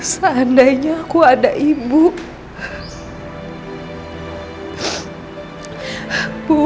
kalau ainda yang tujuan kok lo apa